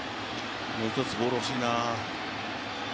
もう１つボール欲しいな。